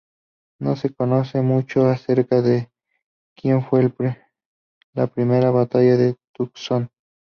No se conoce mucho acerca de la que fue la primera batalla de Tucson.